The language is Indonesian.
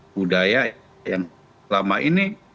budaya yang selama ini